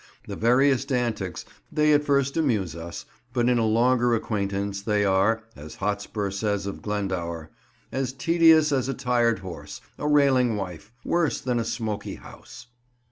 The veriest antics, they at first amuse us, but in a longer acquaintance they are, as Hotspur says of Glendower, "as tedious as a tired horse, a railing wife; Worse than a smoky house."